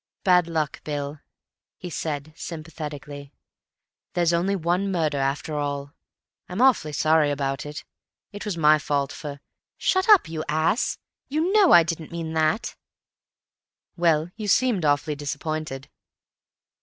"Bad luck, Bill," he said sympathetically. "There's only one murder, after all. I'm awfully sorry about it. It was my fault for—" "Shut up, you ass. You know I didn't mean that." "Well, you seemed awfully disappointed."